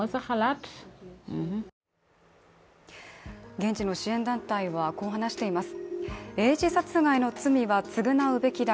現地の支援団体はこう話しています。